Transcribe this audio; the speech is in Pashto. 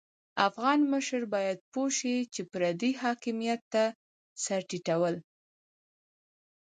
افغان مشر بايد پوه شي چې پردي حاکميت ته سر ټيټول.